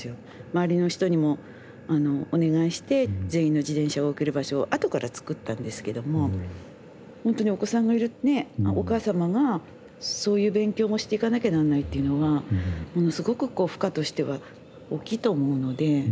周りの人にもお願いして全員の自転車を置ける場所を後から作ったんですけどもほんとにお子さんがいるお母様がそういう勉強もしていかなきゃなんないというのはものすごくこう負荷としては大きいと思うので。